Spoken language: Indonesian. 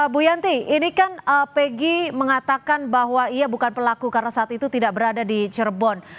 bu yanti ini kan peggy mengatakan bahwa ia bukan pelaku karena saat itu tidak berada di cirebon